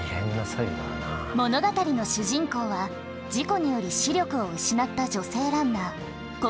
物語の主人公は事故により視力を失った女性ランナー國分のぞみ。